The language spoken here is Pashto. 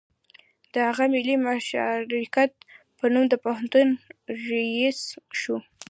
هغه د ملي مشارکت په نوم د پوهنتون رییس شو